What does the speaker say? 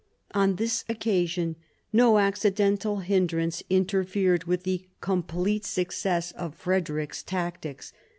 On this occasion no accidental hindrance interfered with the complete success of Frederick's tactics.